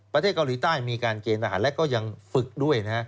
ประเทศเกาหลีใต้มีการเกณฑ์ทหารและก็ยังฝึกด้วยนะฮะ